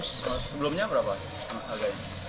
sebelumnya berapa harganya